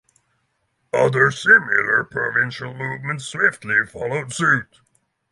Other similar provincial movements swiftly followed suit.